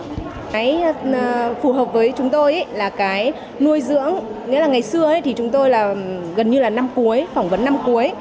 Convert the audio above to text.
cái phù hợp với chúng tôi là cái nuôi dưỡng nghĩa là ngày xưa ấy thì chúng tôi là gần như là năm cuối phỏng vấn năm cuối